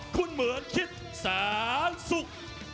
คุณเหมือนคิดแสนสุข